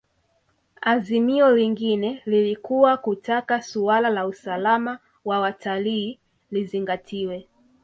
Azimio lingine lilikuwa kutaka suala la usalama wa watalii lizingatiwe